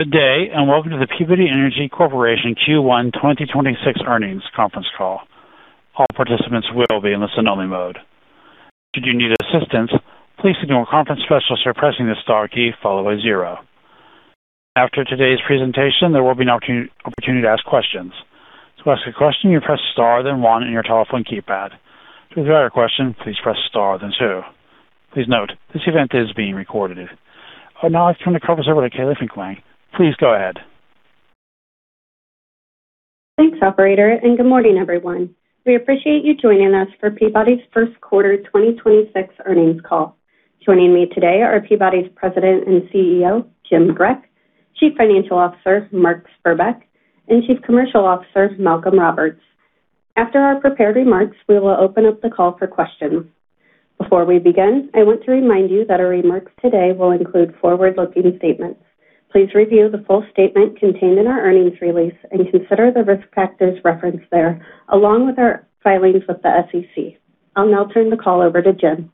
Good day. Welcome to the Peabody Energy Corporation Q1 2026 earnings conference call. All participants will be in the listen-only mode. After today's presentation, there will be an opportunity to ask questions. Please note, this event is being recorded. I'd now like to turn the call over to Kala Finklang. Please go ahead. Thanks, operator. Good morning, everyone. We appreciate you joining us for Peabody's first quarter 2026 earnings call. Joining me today are Peabody's President and CEO, Jim Grech, Chief Financial Officer, Mark Spurbeck, and Chief Commercial Officer, Malcolm Roberts. After our prepared remarks, we will open up the call for questions. Before we begin, I want to remind you that our remarks today will include forward-looking statements. Please review the full statement contained in our earnings release and consider the risk factors referenced there, along with our filings with the SEC. I'll now turn the call over to Jim.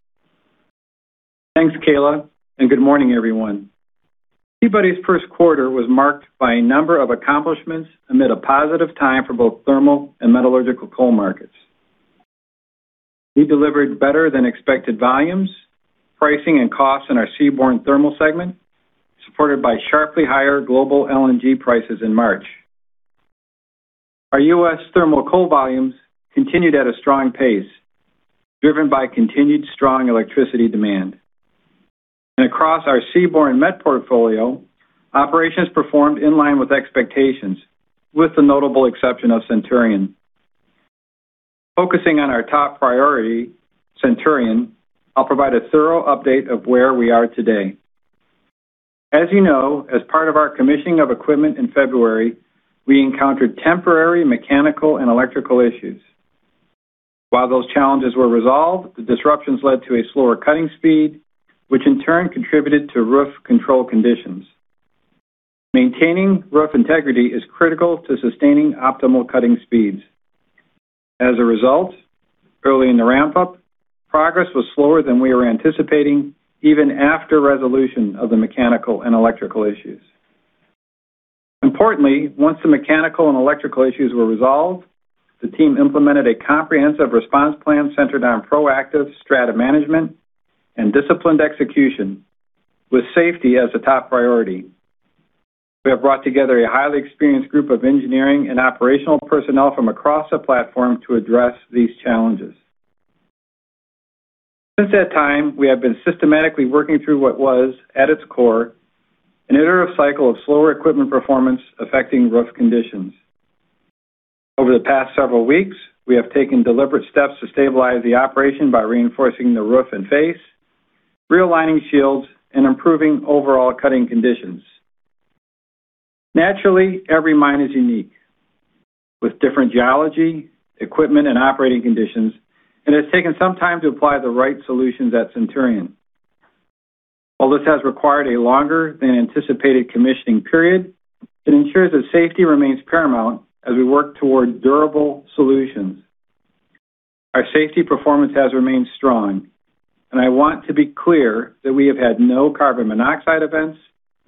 Thanks, Kala, and good morning, everyone. Peabody's first quarter was marked by a number of accomplishments amid a positive time for both thermal and metallurgical coal markets. We delivered better-than-expected volumes, pricing and costs in our seaborne thermal segment, supported by sharply higher global LNG prices in March. Our U.S. thermal coal volumes continued at a strong pace, driven by continued strong electricity demand. Across our seaborne met portfolio, operations performed in line with expectations, with the notable exception of Centurion. Focusing on our top priority, Centurion, I'll provide a thorough update of where we are today. As you know, as part of our commissioning of equipment in February, we encountered temporary mechanical and electrical issues. While those challenges were resolved, the disruptions led to a slower cutting speed, which in turn contributed to roof control conditions. Maintaining roof integrity is critical to sustaining optimal cutting speeds. As a result, early in the ramp-up, progress was slower than we were anticipating even after resolution of the mechanical and electrical issues. Importantly, once the mechanical and electrical issues were resolved, the team implemented a comprehensive response plan centered on proactive strata management and disciplined execution with safety as a top priority. We have brought together a highly experienced group of engineering and operational personnel from across the platform to address these challenges. Since that time, we have been systematically working through what was, at its core, an iterative cycle of slower equipment performance affecting roof conditions. Over the past several weeks, we have taken deliberate steps to stabilize the operation by reinforcing the roof and face, realigning shields, and improving overall cutting conditions. Naturally, every mine is unique, with different geology, equipment, and operating conditions, and it has taken some time to apply the right solutions at Centurion. While this has required a longer than anticipated commissioning period, it ensures that safety remains paramount as we work toward durable solutions. Our safety performance has remained strong, and I want to be clear that we have had no carbon monoxide events,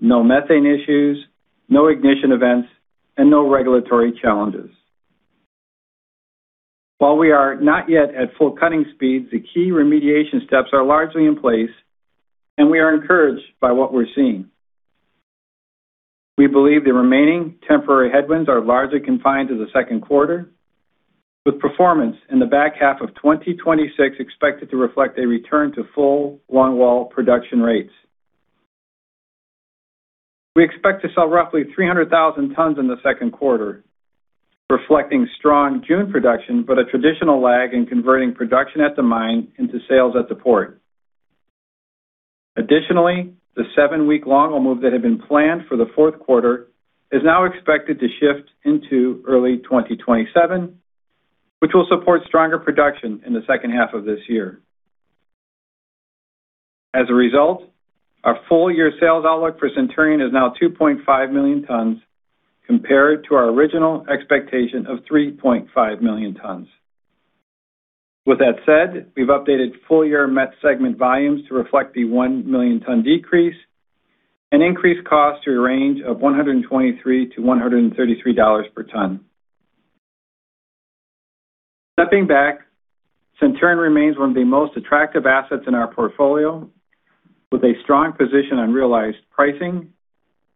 no methane issues, no ignition events, and no regulatory challenges. While we are not yet at full cutting speed, the key remediation steps are largely in place, and we are encouraged by what we're seeing. We believe the remaining temporary headwinds are largely confined to the second quarter, with performance in the back half of 2026 expected to reflect a return to full longwall production rates. We expect to sell roughly 300,000 tons in the second quarter, reflecting strong June production, but a traditional lag in converting production at the mine into sales at the port. Additionally, the seven-week longwall move that had been planned for the fourth quarter is now expected to shift into early 2027, which will support stronger production in the second half of this year. As a result, our full-year sales outlook for Centurion is now 2.5 million tons compared to our original expectation of 3.5 million tons. With that said, we've updated full-year met segment volumes to reflect the 1 million ton decrease and increased cost to a range of $123-$133 per ton. Stepping back, Centurion remains one of the most attractive assets in our portfolio with a strong position on realized pricing,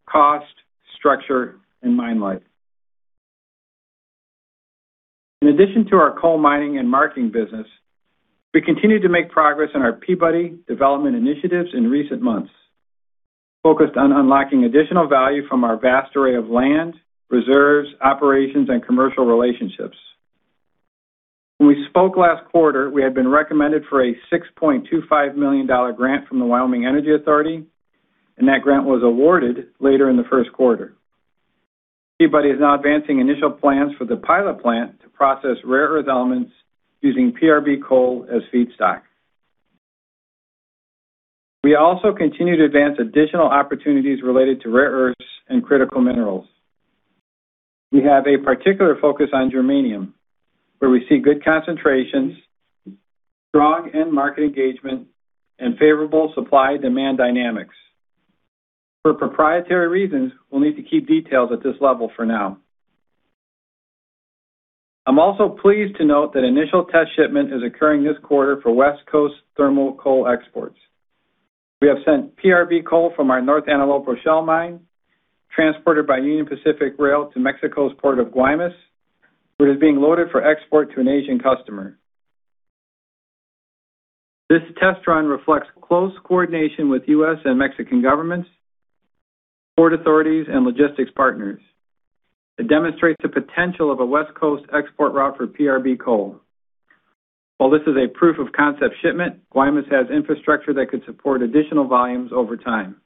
cost, structure, and mine life. In addition to our coal mining and marketing business, we continue to make progress on our Peabody development initiatives in recent months, focused on unlocking additional value from our vast array of land, reserves, operations, and commercial relationships. When we spoke last quarter, we had been recommended for a $6.25 million grant from the Wyoming Energy Authority, and that grant was awarded later in the first quarter. Peabody is now advancing initial plans for the pilot plant to process rare earth elements using PRB coal as feedstock. We also continue to advance additional opportunities related to rare earths and critical minerals. We have a particular focus on germanium, where we see good concentrations, strong end market engagement, and favorable supply-demand dynamics. For proprietary reasons, we'll need to keep details at this level for now. I'm also pleased to note that initial test shipment is occurring this quarter for West Coast thermal coal exports. We have sent PRB coal from our North Antelope Rochelle Mine, transported by Union Pacific Railroad to Mexico's Port of Guaymas, where it is being loaded for export to an Asian customer. This test run reflects close coordination with U.S. and Mexican governments, port authorities, and logistics partners. It demonstrates the potential of a West Coast export route for PRB coal. While this is a proof of concept shipment, Guaymas has infrastructure that could support additional volumes over time.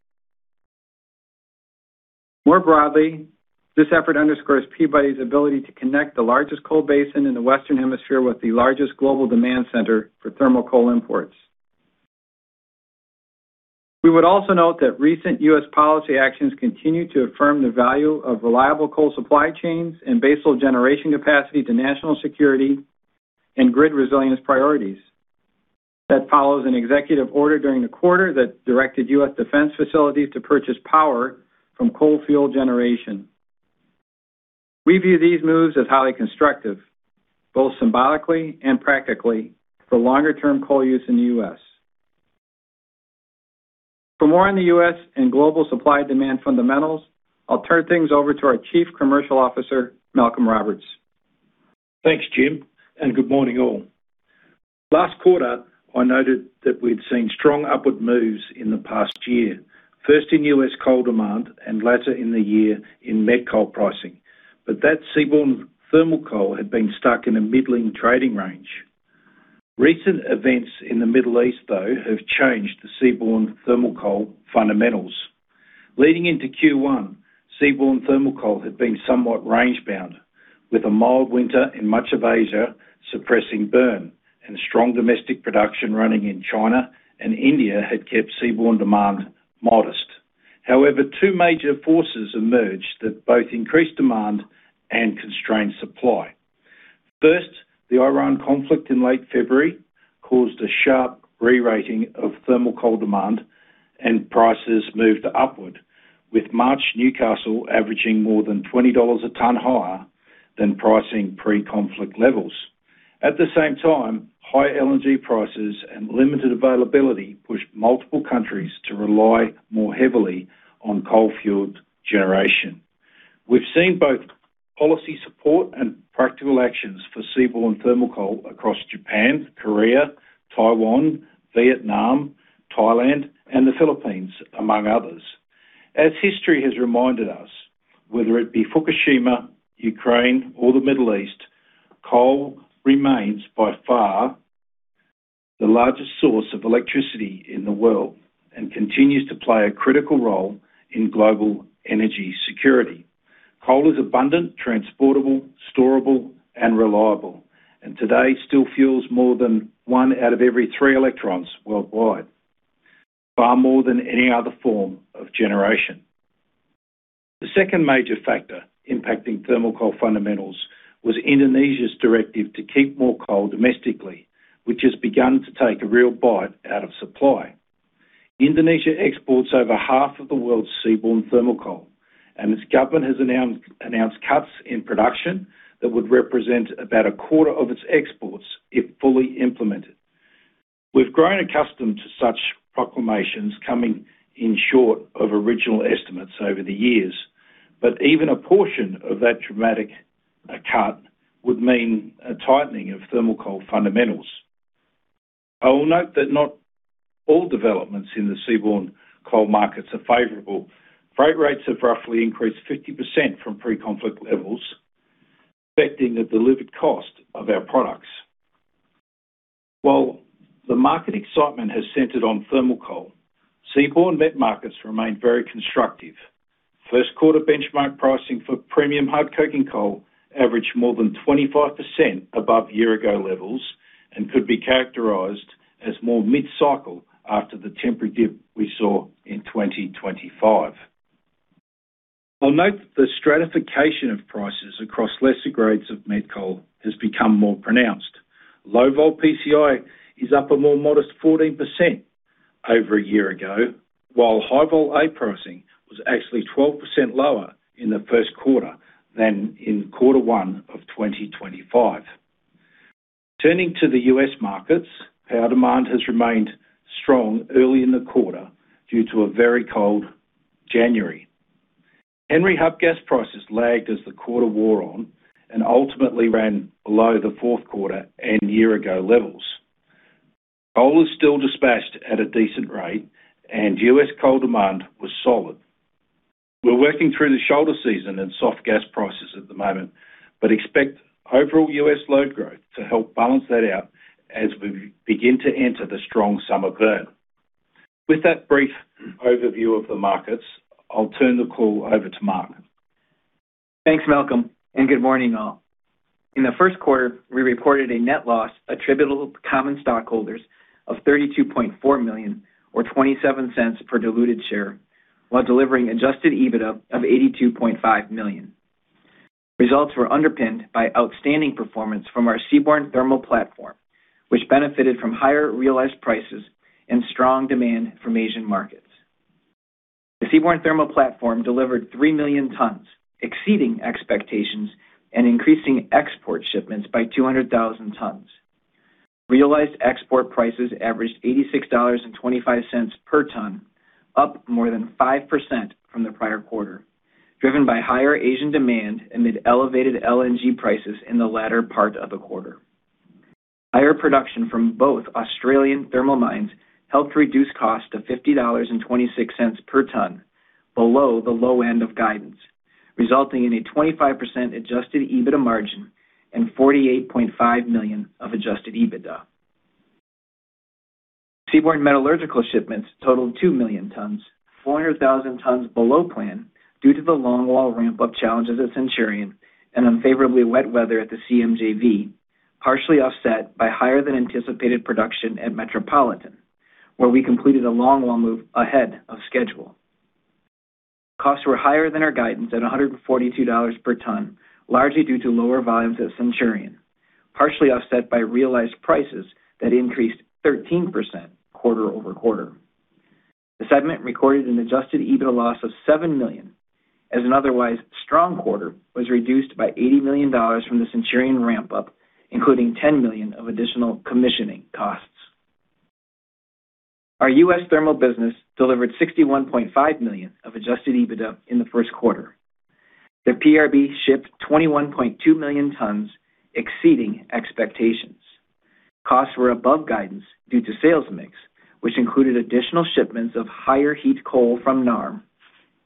More broadly, this effort underscores Peabody's ability to connect the largest coal basin in the Western Hemisphere with the largest global demand center for thermal coal imports. We would also note that recent U.S. policy actions continue to affirm the value of reliable coal supply chains and basal generation capacity to national security and grid resilience priorities. That follows an executive order during the quarter that directed U.S. Defense facilities to purchase power from coal-fueled generation. We view these moves as highly constructive, both symbolically and practically, for longer-term coal use in the U.S. For more on the U.S. and global supply-demand fundamentals, I'll turn things over to our Chief Commercial Officer, Malcolm Roberts. Thanks, Jim. Good morning, all. Last quarter, I noted that we'd seen strong upward moves in the past year, first in U.S. coal demand and latter in the year in met coal pricing. That seaborne thermal coal had been stuck in a middling trading range. Recent events in the Middle East, though, have changed the seaborne thermal coal fundamentals. Leading into Q1, seaborne thermal coal had been somewhat range-bound, with a mild winter in much of Asia suppressing burn and strong domestic production running in China, and India had kept seaborne demand modest. Two major forces emerged that both increased demand and constrained supply. The Iran conflict in late February caused a sharp rerating of thermal coal demand and prices moved upward. March Newcastle averaging more than $20 a ton higher than pricing pre-conflict levels. At the same time, high LNG prices and limited availability pushed multiple countries to rely more heavily on coal-fueled generation. We've seen both policy support and practical actions for seaborne thermal coal across Japan, Korea, Taiwan, Vietnam, Thailand, and the Philippines, among others. As history has reminded us, whether it be Fukushima, Ukraine or the Middle East, coal remains by far the largest source of electricity in the world and continues to play a critical role in global energy security. Coal is abundant, transportable, storable, and reliable, and today still fuels more than one out of every three electrons worldwide, far more than any other form of generation. The second major factor impacting thermal coal fundamentals was Indonesia's directive to keep more coal domestically, which has begun to take a real bite out of supply. Indonesia exports over half of the world's seaborne thermal coal, and its government has announced cuts in production that would represent about a quarter of its exports if fully implemented. We've grown accustomed to such proclamations coming in short of original estimates over the years, but even a portion of that dramatic cut would mean a tightening of thermal coal fundamentals. I will note that not all developments in the seaborne coal markets are favorable. Freight rates have roughly increased 50% from pre-conflict levels, affecting the delivered cost of our products. While the market excitement has centered on thermal coal, seaborne met markets remain very constructive. First quarter benchmark pricing for Premium Hard Coking Coal averaged more than 25% above year-ago levels and could be characterized as more mid-cycle after the temporary dip we saw in 2025. I'll note that the stratification of prices across lesser grades of met coal has become more pronounced. Low Vol PCI is up a more modest 14% over a year-ago, while High-Vol A pricing was actually 12% lower in the first quarter than in quarter one of 2025. Turning to the U.S. markets, our demand has remained strong early in the quarter due to a very cold January. Henry Hub gas prices lagged as the quarter wore on and ultimately ran below the fourth quarter and year-ago levels. Coal is still dispatched at a decent rate and U.S. coal demand was solid. We're working through the shoulder season and soft gas prices at the moment, but expect overall U.S. load growth to help balance that out as we begin to enter the strong summer burn. With that brief overview of the markets, I'll turn the call over to Mark. Thanks, Malcolm, and good morning, all. In the first quarter, we reported a net loss attributable to common stockholders of $32.4 million, or $0.27 per diluted share, while delivering adjusted EBITDA of $82.5 million. Results were underpinned by outstanding performance from our seaborne thermal platform, which benefited from higher realized prices and strong demand from Asian markets. The seaborne thermal platform delivered 3 million tons, exceeding expectations and increasing export shipments by 200,000 tons. Realized export prices averaged $86.25 per ton, up more than 5% from the prior quarter, driven by higher Asian demand amid elevated LNG prices in the latter part of the quarter. Higher production from both Australian thermal mines helped reduce cost to $50.26 per ton, below the low end of guidance, resulting in a 25% adjusted EBITDA margin and $48.5 million of adjusted EBITDA. Seaborne metallurgical shipments totaled 2 million tons, 400,000 tons below plan due to the longwall ramp-up challenges at Centurion and unfavorably wet weather at the CMJV, partially offset by higher than anticipated production at Metropolitan, where we completed a longwall move ahead of schedule. Costs were higher than our guidance at $142 per ton, largely due to lower volumes at Centurion, partially offset by realized prices that increased 13% quarter-over-quarter. The segment recorded an adjusted EBITDA loss of $7 million as an otherwise strong quarter was reduced by $80 million from the Centurion ramp-up, including $10 million of additional commissioning costs. Our U.S. thermal business delivered $61.5 million of adjusted EBITDA in the first quarter. The PRB shipped 21.2 million tons, exceeding expectations. Costs were above guidance due to sales mix, which included additional shipments of higher heat coal from NARM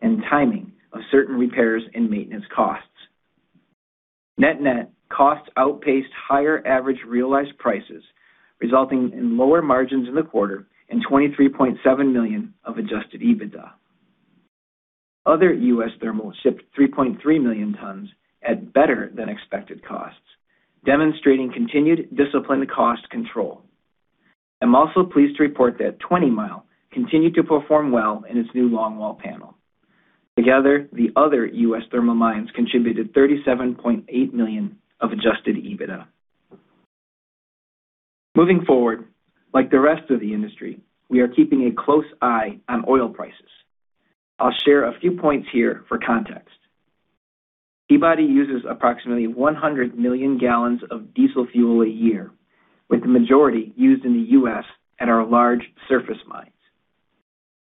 and timing of certain repairs and maintenance costs. Net-net costs outpaced higher average realized prices, resulting in lower margins in the quarter and $23.7 million of adjusted EBITDA. Other U.S. thermal shipped 3.3 million tons at better-than-expected costs, demonstrating continued disciplined cost control. I'm also pleased to report that 20 mi continued to perform well in its new longwall panel. Together, the other U.S. thermal mines contributed $37.8 million of adjusted EBITDA. Moving forward, like the rest of the industry, we are keeping a close eye on oil prices. I'll share a few points here for context. Peabody uses approximately 100 million gallons of diesel fuel a year, with the majority used in the U.S. at our large surface mines.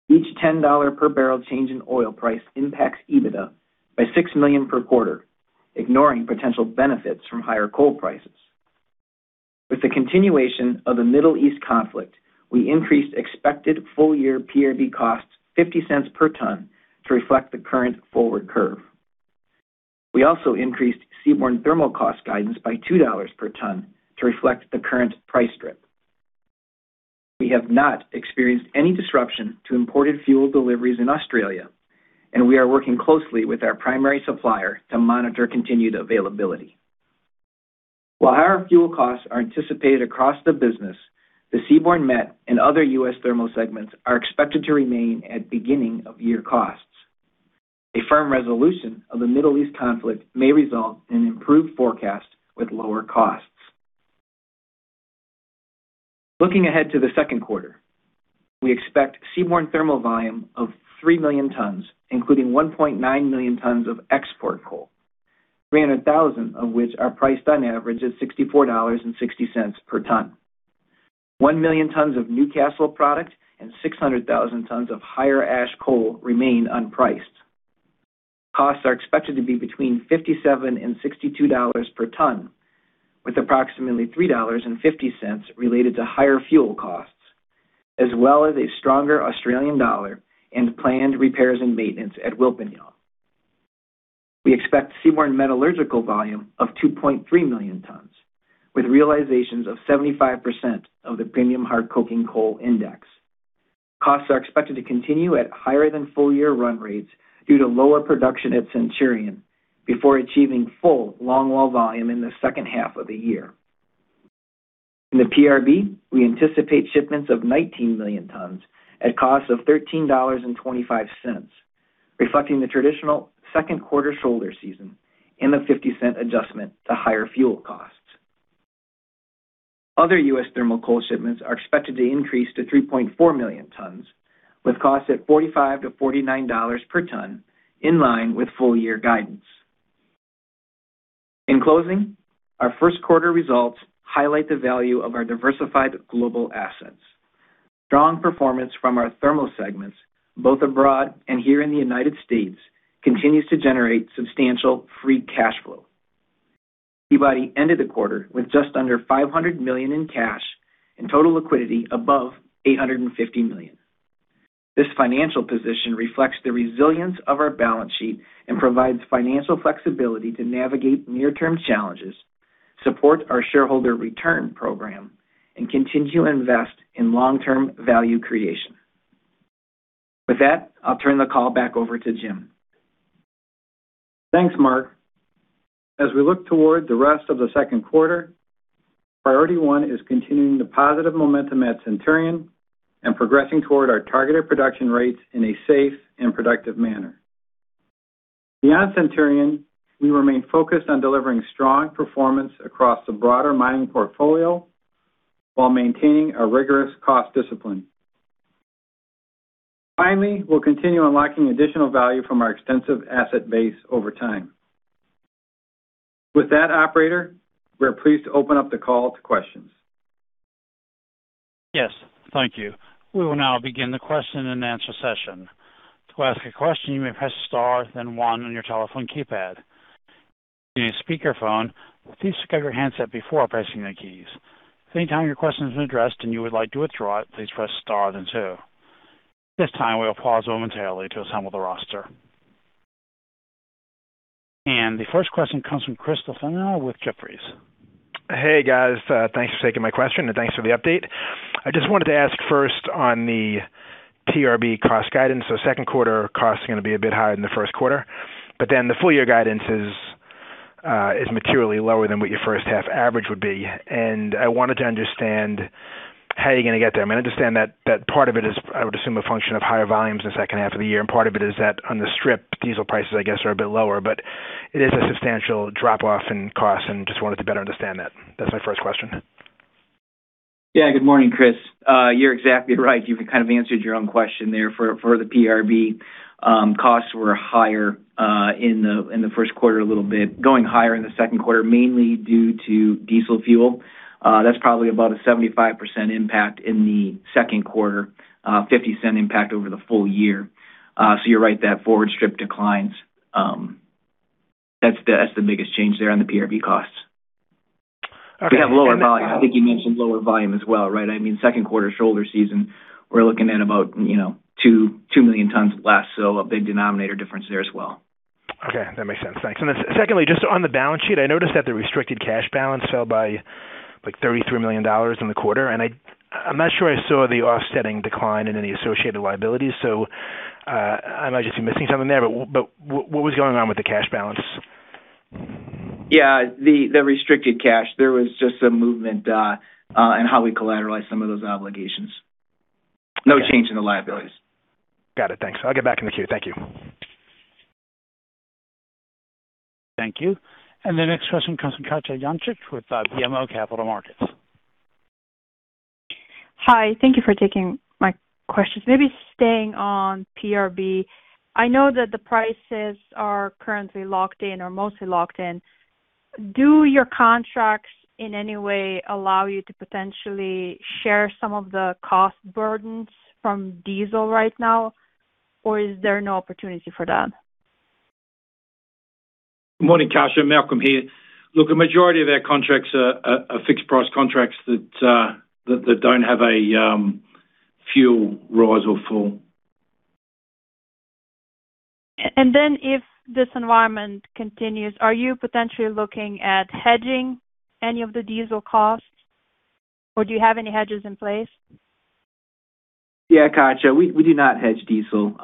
Each $10-per-barrel change in oil price impacts EBITDA by $6 million per quarter, ignoring potential benefits from higher coal prices. With the continuation of the Middle East conflict, we increased expected full-year PRB costs $0.50 per ton to reflect the current forward curve. We also increased seaborne thermal cost guidance by $2 per ton to reflect the current price strip. We have not experienced any disruption to imported fuel deliveries in Australia, and we are working closely with our primary supplier to monitor continued availability. While higher fuel costs are anticipated across the business, the seaborne met and other U.S. thermal segments are expected to remain at beginning of year costs. A firm resolution of the Middle East conflict may result in an improved forecast with lower costs. Looking ahead to the second quarter, we expect seaborne thermal volume of 3 million tons, including 1.9 million tons of export coal, 300,000 of which are priced on average at $64.60 per ton. 1 million tons of Newcastle product and 600,000 tons of higher ash coal remain unpriced. Costs are expected to be between $57 and $62 per ton, with approximately $3.50 related to higher fuel costs as well as a stronger Australian dollar and planned repairs and maintenance at Wilpinjong. We expect seaborne metallurgical volume of 2.3 million tons, with realizations of 75% of the Premium Hard Coking Coal index. Costs are expected to continue at higher than full-year run rates due to lower production at Centurion before achieving full longwall volume in the second half of the year. In the PRB, we anticipate shipments of 19 million tons at costs of $13.25, reflecting the traditional second quarter shoulder season and a $0.50 adjustment to higher fuel costs. Other U.S. thermal coal shipments are expected to increase to 3.4 million tons, with costs at $45-$49 per ton, in line with full-year guidance. In closing, our first quarter results highlight the value of our diversified global assets. Strong performance from our thermal segments, both abroad and here in the United States, continues to generate substantial free cash flow. Peabody ended the quarter with just under $500 million in cash and total liquidity above $850 million. This financial position reflects the resilience of our balance sheet and provides financial flexibility to navigate near-term challenges, support our shareholder return program, and continue to invest in long-term value creation. With that, I'll turn the call back over to Jim. Thanks, Mark. As we look toward the rest of the second quarter, priority one is continuing the positive momentum at Centurion and progressing toward our targeted production rates in a safe and productive manner. Beyond Centurion, we remain focused on delivering strong performance across the broader mining portfolio while maintaining a rigorous cost discipline. Finally, we'll continue unlocking additional value from our extensive asset base over time. With that, operator, we're pleased to open up the call to questions. Yes. Thank you. We will now begin the question-and-answer session. At this time, we will pause momentarily to assemble the roster. The first question comes from Chris LaFemina with Jefferies. Hey, guys. Thanks for taking my question, and thanks for the update. I just wanted to ask first on the PRB cost guidance. Second quarter costs are gonna be a bit higher than the first quarter, but then the full year guidance is materially lower than what your first half average would be. I wanted to understand how you're gonna get there. I mean, I understand that part of it is, I would assume, a function of higher volumes in the second half of the year, and part of it is that on the strip, diesel prices, I guess, are a bit lower, but it is a substantial drop-off in costs, and just wanted to better understand that. That's my first question. Yeah. Good morning, Chris. You're exactly right. You've kind of answered your own question there. For the PRB, costs were higher, in the first quarter a little bit, going higher in the second quarter, mainly due to diesel fuel. That's probably about a 75% impact in the second quarter, $0.50 impact over the full year. You're right that forward strip declines, that's the biggest change there on the PRB costs. Okay. We have lower volume. I think you mentioned lower volume as well, right? I mean, second quarter shoulder season, we're looking at about, you know, 2 million tons less, so a big denominator difference there as well. Okay. That makes sense. Thanks. Secondly, just on the balance sheet, I noticed that the restricted cash balance fell by, like, $33 million in the quarter, I'm not sure I saw the offsetting decline in any associated liabilities. I might just be missing something there, but what was going on with the cash balance? Yeah. The restricted cash, there was just some movement in how we collateralized some of those obligations. No change in the liabilities. Got it. Thanks. I'll get back in the queue. Thank you. Thank you. The next question comes from Katja Jancic with BMO Capital Markets. Hi. Thank you for taking my questions. Maybe staying on PRB, I know that the prices are currently locked in or mostly locked in. Do your contracts in any way allow you to potentially share some of the cost burdens from diesel right now, or is there no opportunity for that? Good morning, Katja. Malcolm here. The majority of our contracts are fixed price contracts that don't have a fuel rise or fall. If this environment continues, are you potentially looking at hedging any of the diesel costs, or do you have any hedges in place? Yeah, Katja, we do not hedge diesel.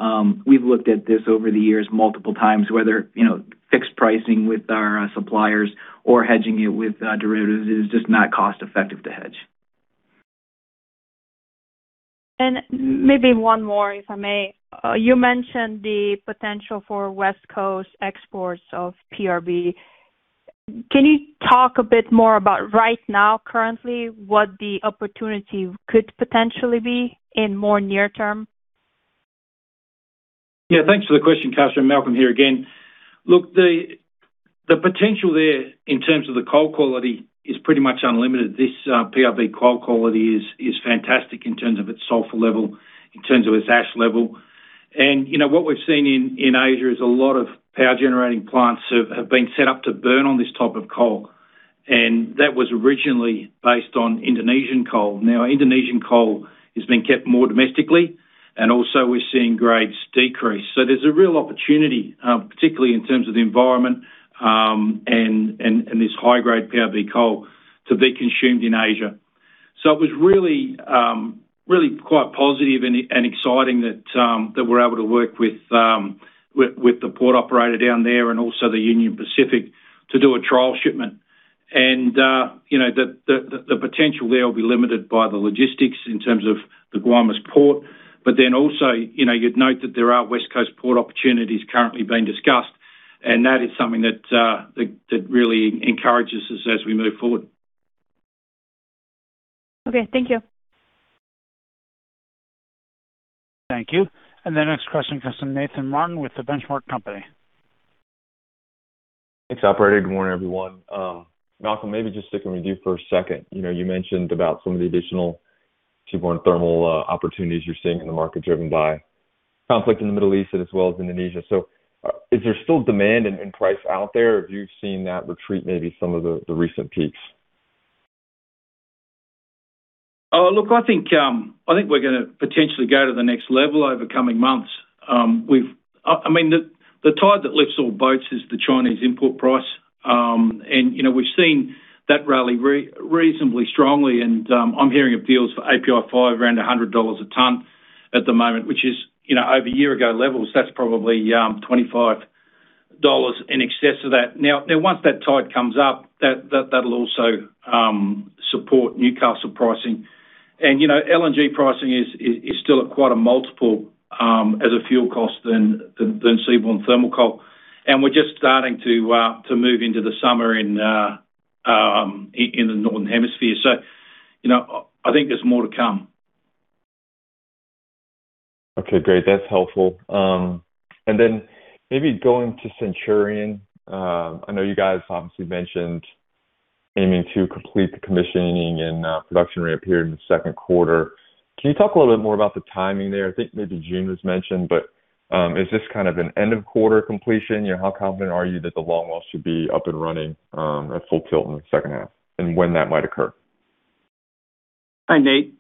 We've looked at this over the years multiple times, whether, you know, fixed pricing with our suppliers or hedging it with derivatives. It is just not cost-effective to hedge. Maybe one more, if I may. You mentioned the potential for West Coast exports of PRB. Can you talk a bit more about right now, currently, what the opportunity could potentially be in more near term? Yeah. Thanks for the question, Katja. Malcolm here again. Look, the potential there in terms of the coal quality is pretty much unlimited. This PRB coal quality is fantastic in terms of its sulfur level, in terms of its ash level. You know, what we've seen in Asia is a lot of power generating plants have been set up to burn on this type of coal, and that was originally based on Indonesian coal. Now, Indonesian coal is being kept more domestically, and also we're seeing grades decrease. There's a real opportunity, particularly in terms of the environment, and this high-grade PRB coal to be consumed in Asia. It was really, really quite positive and exciting that we're able to work with the port operator down there and also the Union Pacific to do a trial shipment. You know, the potential there will be limited by the logistics in terms of the Guaymas port. Also, you know, you'd note that there are West Coast port opportunities currently being discussed, and that is something that really encourages us as we move forward. Okay. Thank you. Thank you. The next question comes from Nathan Martin with The Benchmark Company. Thanks, operator. Good morning, everyone. Malcolm, maybe just sticking with you for a second. You know, you mentioned about some of the additional seaborne thermal opportunities you're seeing in the market driven by conflict in the Middle East as well as Indonesia. Is there still demand and price out there, or have you seen that retreat maybe some of the recent peaks? Look, I think we're gonna potentially go to the next level over coming months. I mean, the tide that lifts all boats is the Chinese import price. You know, we've seen that rally reasonably strongly and, I'm hearing of deals for API 5 around $100 a ton at the moment, which is, you know, over a year ago levels, that's probably $25 in excess of that. Now, once that tide comes up, that'll also support Newcastle pricing. You know, LNG pricing is still at quite a multiple, as a fuel cost than seaborne thermal coal. We're just starting to move into the summer in the Northern Hemisphere. You know, I think there's more to come. Okay, great. That's helpful. Maybe going to Centurion, I know you guys obviously mentioned aiming to complete the commissioning and production rate up here in the second quarter. Can you talk a little bit more about the timing there? I think maybe June was mentioned, but is this kind of an end of quarter completion? You know, how confident are you that the longwall should be up and running at full tilt in the second half, and when that might occur? Hi, Nate.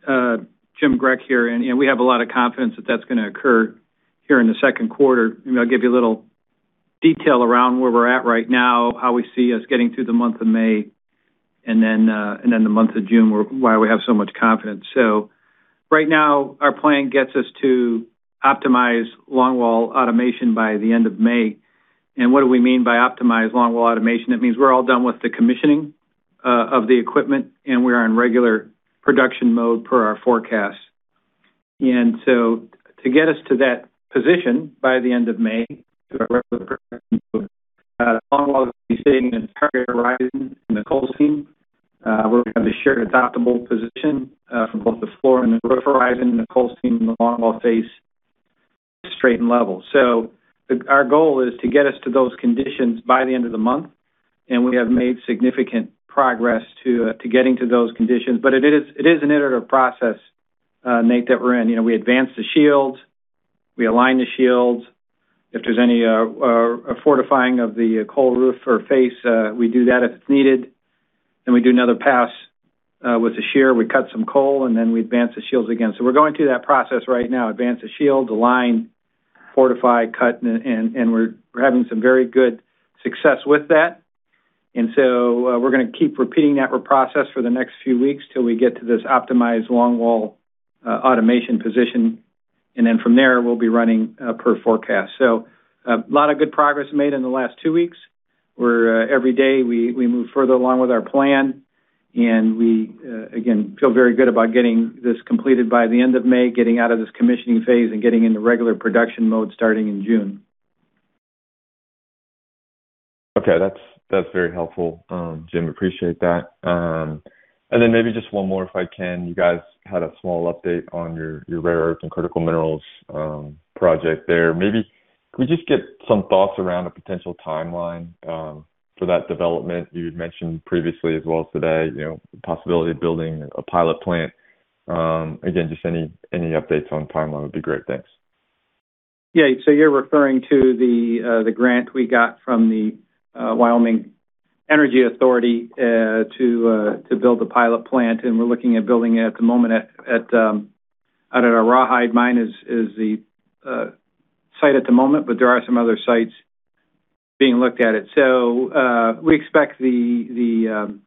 Jim Grech here, we have a lot of confidence that that's going to occur here in the second quarter. Maybe I'll give you a little detail around where we're at right now, how we see us getting through the month of May and then the month of June, why we have so much confidence. Right now, our plan gets us to optimize longwall automation by the end of May. What do we mean by optimize longwall automation? It means we're all done with the commissioning of the equipment, and we're on regular production mode per our forecast. To get us to that position by the end of May, to our regular production mode, longwall will be staying in the target horizon in the coal seam. We're going to share adoptable position from both the floor and the roof horizon in the coal seam and the longwall face straight and level. Our goal is to get us to those conditions by the end of the month, and we have made significant progress to getting to those conditions. It is, it is an iterative process, Nate, that we're in. You know, we advance the shields, we align the shields. If there's any a fortifying of the coal roof or face, we do that if it's needed. We do another pass with the shear, we cut some coal, we advance the shields again. We're going through that process right now, advance the shield, align, fortify, cut, and we're having some very good success with that. We're gonna keep repeating that process for the next few weeks till we get to this optimized longwall automation position. From there, we'll be running per forecast. A lot of good progress made in the last two weeks, where every day, we move further along with our plan. We again, feel very good about getting this completed by the end of May, getting out of this commissioning phase, and getting into regular production mode starting in June. Okay. That's, that's very helpful, Jim. Appreciate that. Then maybe just one more, if I can. You guys had a small update on your rare earths and critical minerals project there. Maybe could we just get some thoughts around a potential timeline for that development? You'd mentioned previously as well today, you know, the possibility of building a pilot plant. Again, just any updates on timeline would be great. Thanks. Yeah. You're referring to the grant we got from the Wyoming Energy Authority to build a pilot plant, and we're looking at building it at the moment out at our Rawhide Mine is the site at the moment, but there are some other sites being looked at it. We expect the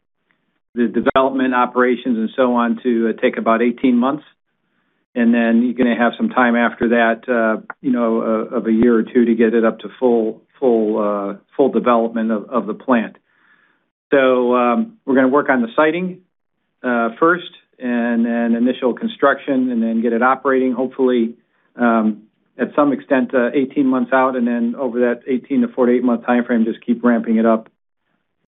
development operations and so on to take about 18 months. You're gonna have some time after that, you know, of one or two years to get it up to full development of the plant. We're gonna work on the siting first and then initial construction and then get it operating, hopefully, at some extent, 18 months out, and then over that 18-48 month timeframe, just keep ramping it up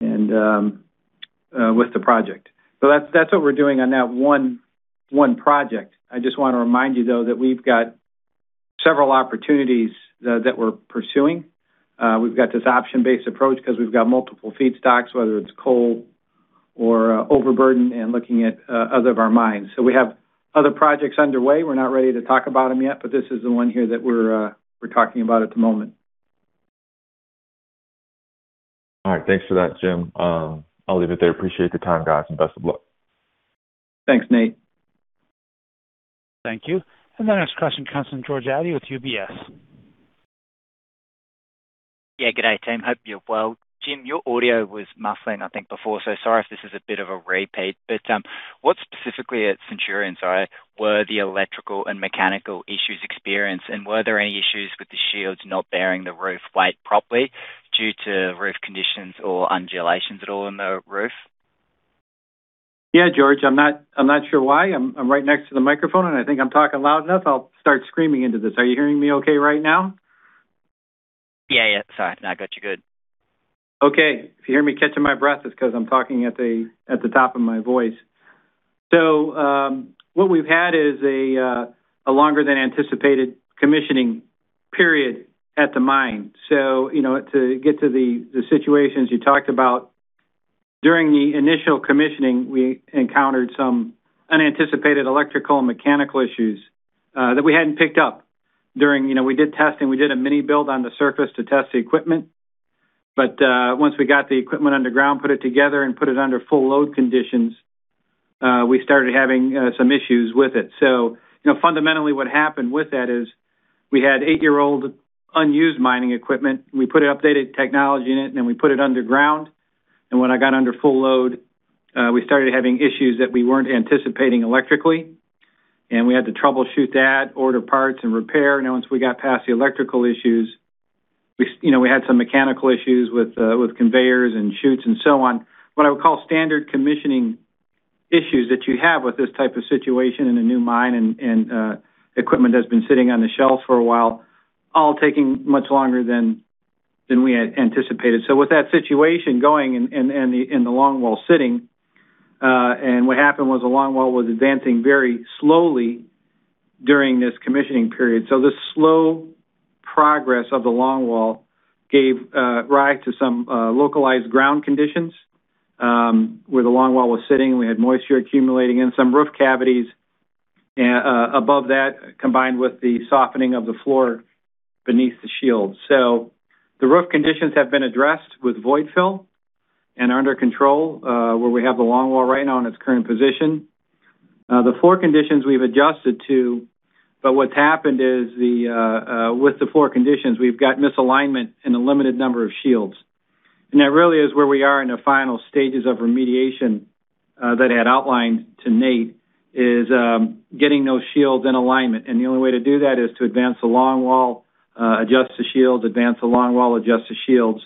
with the project. That's what we're doing on that one project. I just wanna remind you, though, that we've got several opportunities that we're pursuing. We've got this option-based approach 'cause we've got multiple feedstocks, whether it's coal or overburden and looking at other of our mines. We have other projects underway. We're not ready to talk about them yet, but this is the one here that we're talking about at the moment. All right. Thanks for that, Jim. I'll leave it there. Appreciate your time, guys, and best of luck. Thanks, Nate. Thank you. The next question comes from George Eadie with UBS. Yeah, good day, team. Hope you're well. Jim, your audio was muffling, I think, before, so sorry if this is a bit of a repeat. What specifically at Centurion, sorry, were the electrical and mechanical issues experienced? Were there any issues with the shields not bearing the roof weight properly due to roof conditions or undulations at all in the roof? Yeah, George, I'm not, I'm not sure why. I'm right next to the microphone, I think I'm talking loud enough. I'll start screaming into this. Are you hearing me okay right now? Yeah, yeah. Sorry. Now I got you good. If you hear me catching my breath, it's 'cause I'm talking at the top of my voice. What we've had is a longer than anticipated commissioning period at the mine. You know, to get to the situations you talked about, during the initial commissioning, we encountered some unanticipated electrical and mechanical issues that we hadn't picked up during You know, we did testing, we did a mini build on the surface to test the equipment. Once we got the equipment underground, put it together, and put it under full load conditions, we started having some issues with it. You know, fundamentally, what happened with that is we had eight-year old unused mining equipment. We put updated technology in it, and then we put it underground. When it got under full load, we started having issues that we weren't anticipating electrically, and we had to troubleshoot that, order parts, and repair. Once we got past the electrical issues, we had some mechanical issues with conveyors and chutes and so on, what I would call standard commissioning issues that you have with this type of situation in a new mine and equipment that's been sitting on the shelf for a while, all taking much longer than we had anticipated. With that situation going and the longwall sitting, and what happened was the longwall was advancing very slowly during this commissioning period. The slow progress of the longwall gave rise to some localized ground conditions where the longwall was sitting. We had moisture accumulating in some roof cavities, above that, combined with the softening of the floor beneath the shield. The roof conditions have been addressed with void fill and are under control, where we have the longwall right now in its current position. The floor conditions we've adjusted to, but what's happened is the with the floor conditions, we've got misalignment in a limited number of shields. That really is where we are in the final stages of remediation, that I had outlined to Nate, is getting those shields in alignment. The only way to do that is to advance the longwall, adjust the shields, advance the longwall, adjust the shields,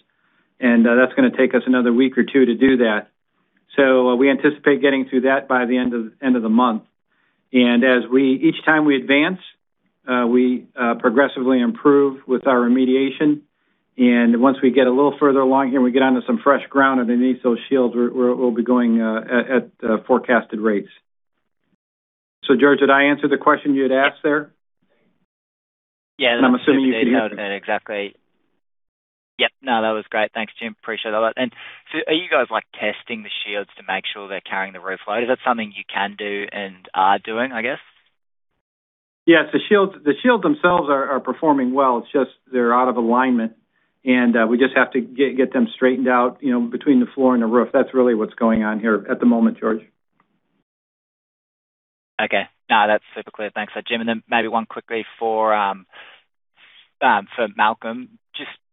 and that's gonna take us another week or two to do that. We anticipate getting through that by the end of the month. As each time we advance, we progressively improve with our remediation. Once we get a little further along here and we get onto some fresh ground underneath those shields, we'll be going at forecasted rates. George, did I answer the question you had asked there? Yeah, that's- I'm assuming you can hear me. Exactly. Yep. No, that was great. Thanks, Jim. Appreciate all that. Are you guys, like, testing the shields to make sure they're carrying the roof load? Is that something you can do and are doing, I guess? Yes. The shields themselves are performing well. It's just they're out of alignment and we just have to get them straightened out, you know, between the floor and the roof. That's really what's going on here at the moment, George. Okay. No, that's super clear. Thanks. Jim Grech, and then maybe one quickly for Malcolm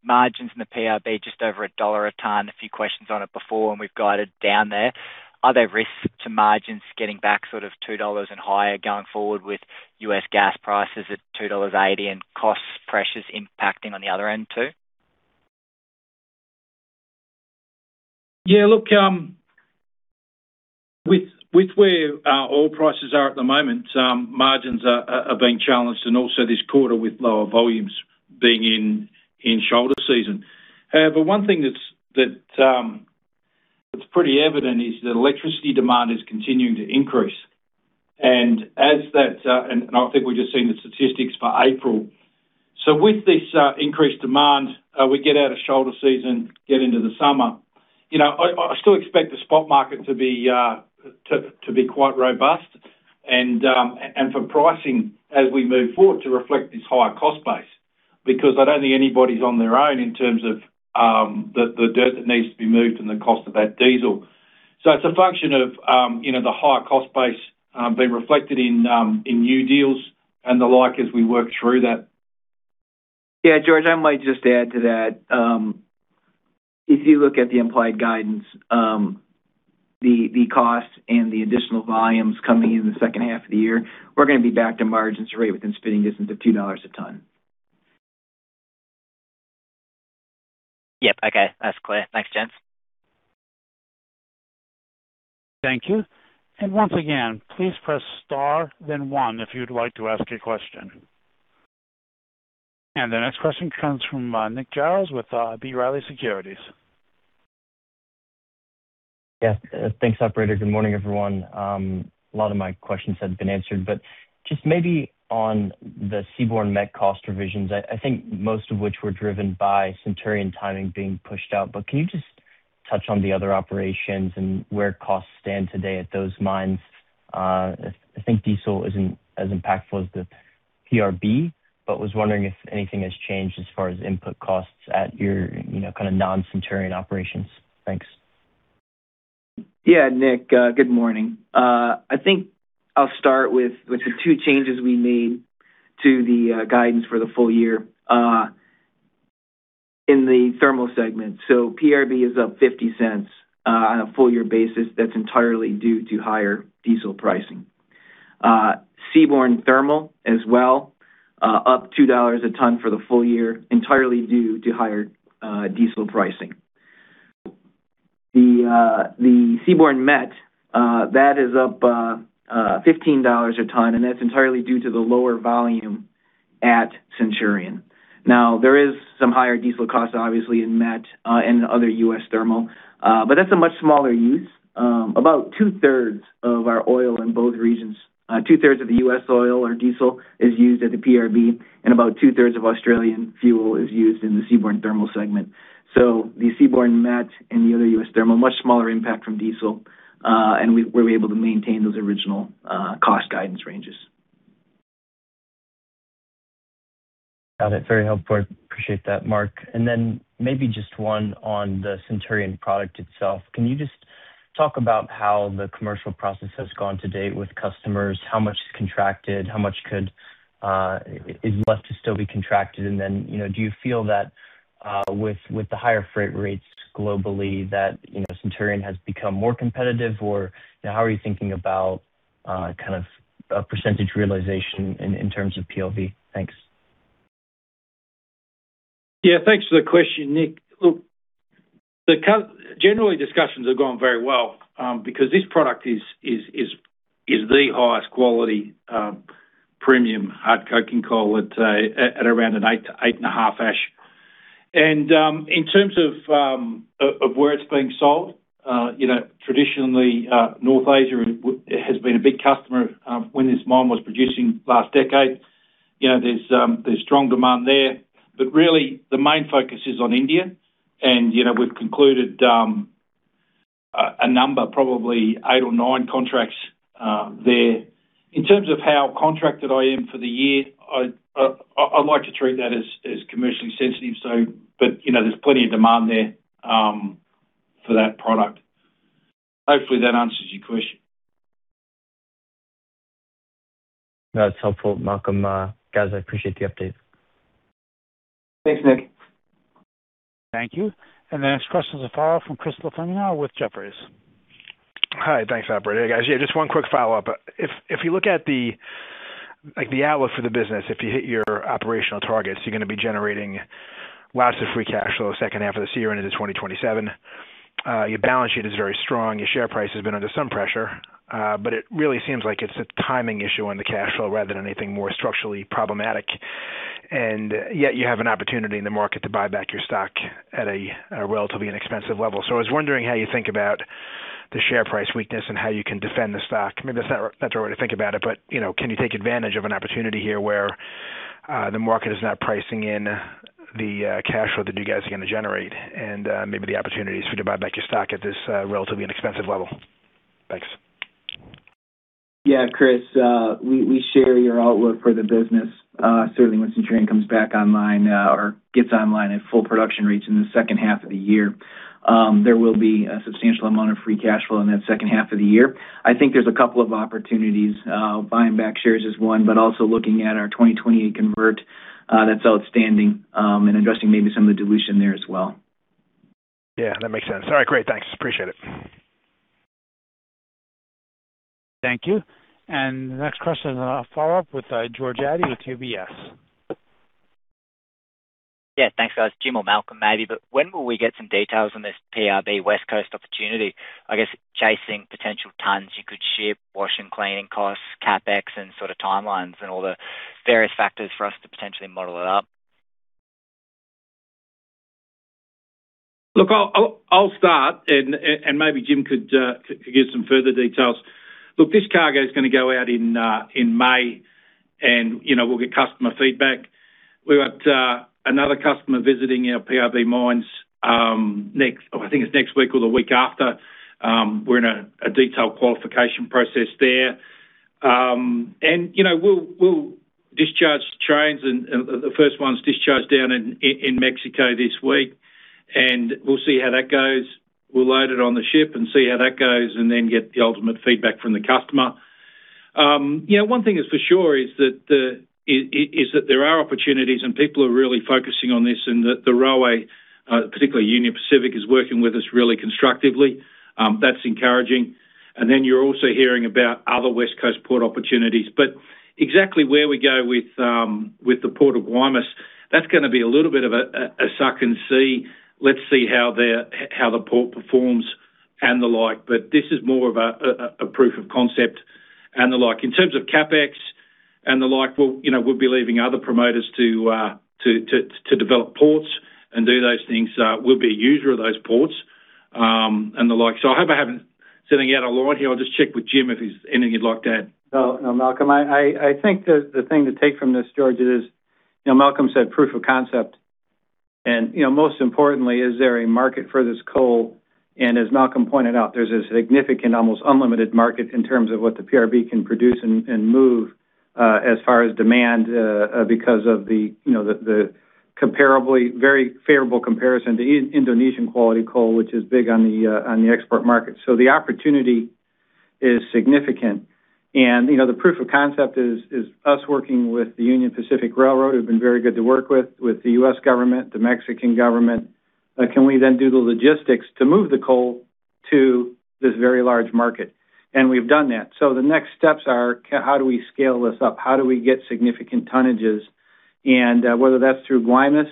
Roberts, just margins in the PRB just over $1 a ton. A few questions on it before, we've got it down there. Are there risks to margins getting back sort of $2 and higher going forward with U.S. gas prices at $2.80 and cost pressures impacting on the other end too? Yeah, look, with where oil prices are at the moment, margins are being challenged and also this quarter with lower volumes being in shoulder season. However, one thing that's pretty evident is that electricity demand is continuing to increase. As that, and I think we've just seen the statistics for April. With this increased demand, we get out of shoulder season, get into the summer. You know, I still expect the spot market to be quite robust and for pricing, as we move forward, to reflect this higher cost base because I don't think anybody's on their own in terms of the dirt that needs to be moved and the cost of that diesel. It's a function of, you know, the higher cost base, being reflected in new deals and the like as we work through that. Yeah. George, I might just add to that. If you look at the implied guidance, the costs and the additional volumes coming in the second half of the year, we're going to be back to margins rate within spitting distance of $2 a ton. Yep. Okay. That's clear. Thanks, gents. Thank you. Once again, please press star then one if you'd like to ask a question. The next question comes from Nick Giles with B. Riley Securities. Yes. Thanks, operator. Good morning, everyone. A lot of my questions have been answered, but just maybe on the seaborne met cost revisions, I think most of which were driven by Centurion timing being pushed out, but can you just touch on the other operations and where costs stand today at those mines? I think diesel isn't as impactful as the PRB, but was wondering if anything has changed as far as input costs at your, you know, kind of non-Centurion operations. Thanks. Nick. Good morning. I think I'll start with the two changes we made to the guidance for the full year in the thermal segment. PRB is up $0.50 on a full-year basis. That's entirely due to higher diesel pricing. Seaborne thermal as well, up $2 a ton for the full year, entirely due to higher diesel pricing. The seaborne met that is up $15 a ton, and that's entirely due to the lower volume at Centurion. There is some higher diesel cost obviously in met and other U.S. thermal, but that's a much smaller use. About two-thirds of our oil in both regions, two-thirds of the U.S. oil or diesel is used at the PRB and about two-thirds of Australian fuel is used in the seaborne thermal segment. The seaborne met and the other U.S. thermal, much smaller impact from diesel, and we're able to maintain those original cost guidance ranges. Got it. Very helpful. Appreciate that, Mark. Then maybe just one on the Centurion product itself. Can you just talk about how the commercial process has gone to date with customers? How much is contracted? How much could is left to still be contracted? Then, you know, do you feel that with the higher freight rates globally that, you know, Centurion has become more competitive or how are you thinking about kind of a percentage realization in terms of FOB? Thanks. Thanks for the question, Nick. Look, generally, discussions have gone very well because this product is the highest quality premium coking coal at around an eight to 8.5 ash. In terms of where it's being sold, you know, traditionally, North Asia has been a big customer when this mine was producing last decade. You know, there's strong demand there. Really, the main focus is on India and, you know, we've concluded a number, probably eight or nine contracts there. In terms of how contracted I am for the year, I like to treat that as commercially sensitive. You know, there's plenty of demand there for that product. Hopefully, that answers your question. That's helpful, Malcolm. Guys, I appreciate the update. Thanks, Nick. Thank you. The next question is a follow-up from Chris LaFemina with Jefferies. Hi. Thanks, operator. Guys, just one quick follow-up. If you look at the outlook for the business, if you hit your operational targets, you're going to be generating lots of free cash flow second half of this year into 2027. Your balance sheet is very strong. Your share price has been under some pressure, but it really seems like it's a timing issue on the cash flow rather than anything more structurally problematic. Yet you have an opportunity in the market to buy back your stock at a relatively inexpensive level. I was wondering how you think about the share price weakness and how you can defend the stock. Maybe that's not, that's not the way to think about it, but, you know, can you take advantage of an opportunity here where, the market is not pricing in the, cash flow that you guys are gonna generate and, maybe the opportunities for you to buy back your stock at this, relatively inexpensive level? Thanks. Chris, we share your outlook for the business. Certainly when Centurion comes back online, or gets online at full production rates in the second half of the year, there will be a substantial amount of free cash flow in that second half of the year. I think there's a couple of opportunities. Buying back shares is one, but also looking at our 2028 convert that's outstanding, and addressing maybe some of the dilution there as well. Yeah, that makes sense. All right, great. Thanks. Appreciate it. Thank you. The next question is a follow-up with George Eadie with UBS. Yeah. Thanks, guys. Jim or Malcolm maybe, when will we get some details on this PRB West Coast opportunity? I guess chasing potential tons you could ship, wash and cleaning costs, CapEx and sort of timelines and all the various factors for us to potentially model it up. I'll start and maybe Jim Grech could give some further details. This cargo is gonna go out in May and, you know, we'll get customer feedback. We've got another customer visiting our PRB mines next I think it's next week or the week after. We're in a detailed qualification process there. You know, we'll discharge trains and the first one's discharged down in Mexico this week, and we'll see how that goes. We'll load it on the ship and see how that goes and then get the ultimate feedback from the customer. You know, one thing is for sure is that there are opportunities and people are really focusing on this and the railway, particularly Union Pacific, is working with us really constructively. That's encouraging. You're also hearing about other West Coast port opportunities. Exactly where we go with the Port of Guaymas, that's gonna be a little bit of a suck and see. Let's see how the port performs and the like. This is more of a proof of concept and the like. In terms of CapEx and the like, we'll, you know, we'll be leaving other promoters to develop ports and do those things. We'll be a user of those ports and the like. I hope I haven't said anything out of line here. I'll just check with Jim if he's anything he'd like to add. No, Malcolm. I think the thing to take from this, George, is, you know, Malcolm said proof of concept and, you know, most importantly, is there a market for this coal? As Malcolm pointed out, there's a significant, almost unlimited market in terms of what the PRB can produce and move as far as demand because of the, you know, the comparably very favorable comparison to Indonesian quality coal, which is big on the export market. The opportunity is significant. You know, the proof of concept is us working with the Union Pacific Railroad, who've been very good to work with the U.S. government, the Mexican government. Can we do the logistics to move the coal to this very large market? We've done that. The next steps are, how do we scale this up? How do we get significant tonnages? Whether that's through Guaymas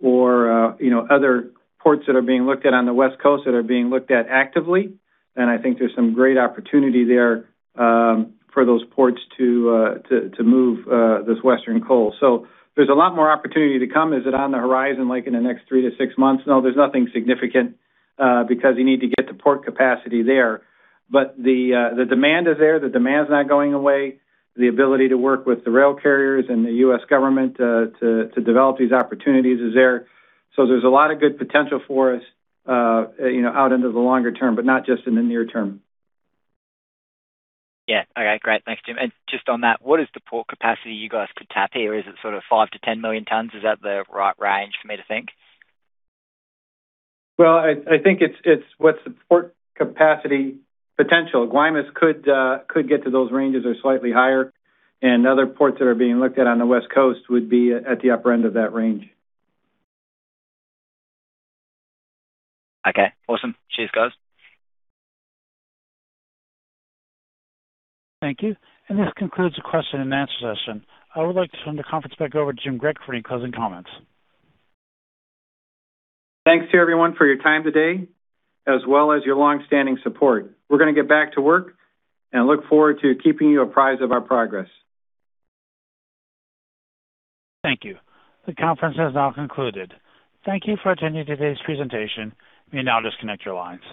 or, you know, other ports that are being looked at on the West Coast that are being looked at actively, then I think there's some great opportunity there for those ports to move this Western coal. There's a lot more opportunity to come. Is it on the horizon, like in the next three to six months? No, there's nothing significant because you need to get the port capacity there. The demand is there. The demand is not going away. The ability to work with the rail carriers and the U.S. government to develop these opportunities is there. There's a lot of good potential for us, you know, out into the longer term, but not just in the near term. Yeah. Okay, great. Thanks, Jim. Just on that, what is the port capacity you guys could tap here? Is it sort of 5 million tons-10 million tons? Is that the right range for me to think? Well, I think it's what's the port capacity potential. Guaymas could get to those ranges or slightly higher, and other ports that are being looked at on the West Coast would be at the upper end of that range. Okay, awesome. Cheers, guys. Thank you. This concludes the question and answer session. I would like to turn the conference back over to Jim Grech for any closing comments. Thanks to everyone for your time today, as well as your long-standing support. We're gonna get back to work and look forward to keeping you apprised of our progress. Thank you. The conference has now concluded. Thank you for attending today's presentation. You may now disconnect your line.